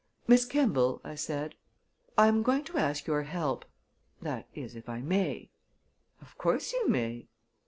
"Miss Kemball," I said, "I'm going to ask your help that is, if I may." "Of course you may."